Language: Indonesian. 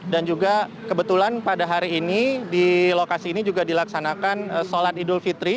dan juga kebetulan pada hari ini di lokasi ini juga dilaksanakan sholat idul